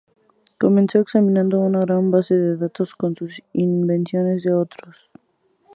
Comenzó examinando una gran base de datos con sus invenciones y las de otros.